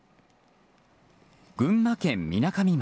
群馬県みなかみ町。